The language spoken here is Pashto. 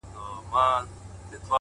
ته كه له ښاره ځې پرېږدې خپــل كــــــور_